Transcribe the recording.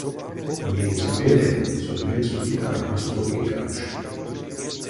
Меельцьпелев сон мекс-бути кармась прок эйкакш.